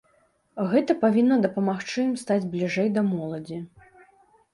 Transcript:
Гэта павінна дапамагчы ім стаць бліжэй да моладзі.